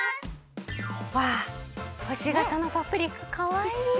わあほしがたのパプリカかわいい！